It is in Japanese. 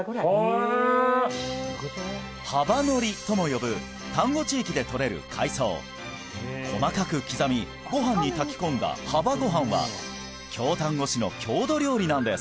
はばのりとも呼ぶ丹後地域でとれる海藻細かく刻みご飯に炊き込んだはばご飯は京丹後市の郷土料理なんです